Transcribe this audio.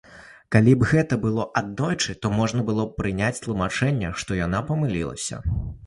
Калі б гэта было аднойчы, то можна было б прыняць тлумачэнне, што яна памыліліся.